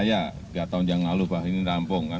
ya tiga tahun yang lalu bahwa ini rampung kan